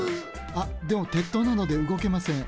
あでも鉄塔なのでうごけません